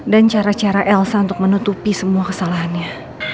dan cara cara elsa untuk menutupi semua kesalahannya